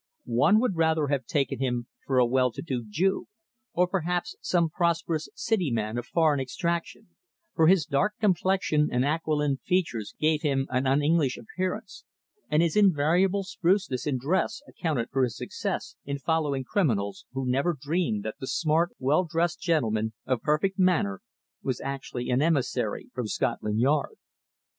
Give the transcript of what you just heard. One would rather have taken him for a well to do Jew, or perhaps some prosperous City man of foreign extraction, for his dark complexion and aquiline features gave him an un English appearance, and his invariable spruceness in dress accounted for his success in following criminals, who never dreamed that the smart, well dressed gentleman of perfect manner was actually an emissary from Scotland Yard.